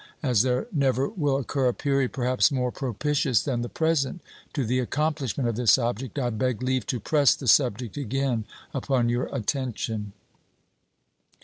As there never will occur a period, perhaps, more propitious than the present to the accomplishment of this object, I beg leave to press the subject again upon your attention.